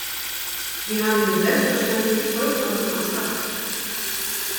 Wir handeln selbstverständlich vollkommen transparent.